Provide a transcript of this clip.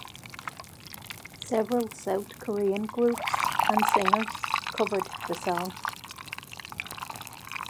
Several South Korean groups and singers covered the song.